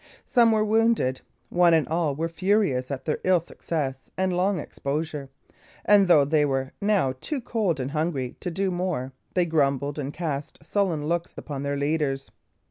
Some were wounded; one and all were furious at their ill success and long exposure; and though they were now too cold and hungry to do more, they grumbled and cast sullen looks upon their leaders.